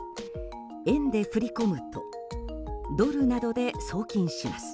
円で振り込むとドルなどで送金します。